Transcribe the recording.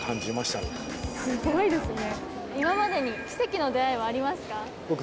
すごいですね。